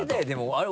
「あれ？